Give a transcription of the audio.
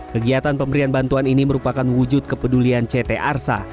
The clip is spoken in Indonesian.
kegiatan pemberian bantuan ini merupakan wujud kepedulian ct arsa